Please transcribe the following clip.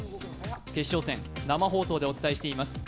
決勝戦、生放送でお伝えしています。